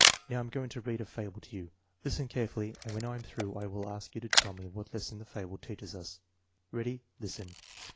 Now, I am going to read a fable to you. Listen carefully, and when I am through I will ask you to tell me what lesson the fable teaches us. Ready; listen.'